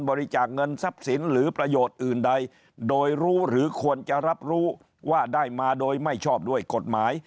บริจาคเงินทรัพย์สินหรือประโยชน์อื่นใดโดยรู้หรือควรจะรับรู้ว่าได้มาโดยไม่ชอบด้วยกฎหมาย